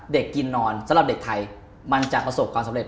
กินนอนสำหรับเด็กไทยมันจะประสบความสำเร็